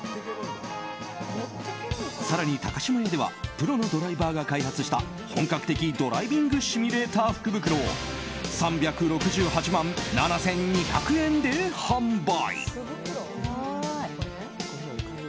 更に高島屋ではプロのドライバーが開発した本格的ドライビングシミュレーター福袋を３６８万７２００円で販売。